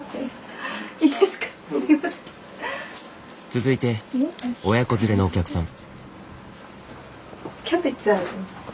続いて親子連れのお客さん。